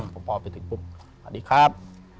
พอไปถึงปุ๊บสวัสดีครับ